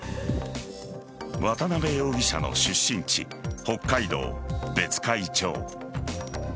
渡辺容疑者の出身地北海道別海町。